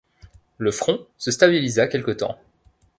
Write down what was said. Le front se stabilisa quelque temps.